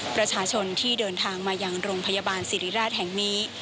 ประชาชนที่เดินทางมาอย่างโรงพยาบาลสิริราชแห่งนี้